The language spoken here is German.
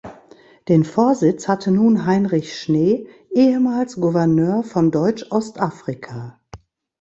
Den Vorsitz hatte nun Heinrich Schnee, ehemals Gouverneur von Deutsch-Ostafrika.